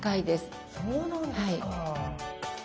そうなんですか。